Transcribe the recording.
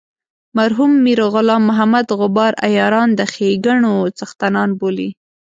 مرحوم میر غلام محمد غبار عیاران د ښیګڼو څښتنان بولي.